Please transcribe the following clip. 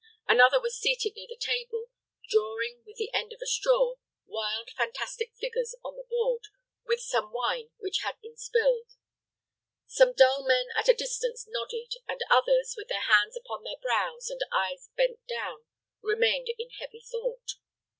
Another was seated near the table, drawing, with the end of a straw, wild, fantastic figures on the board with some wine which had been spilled. Some dull men at a distance nodded, and others, with their hands upon their brows, and eyes bent down, remained in heavy thought.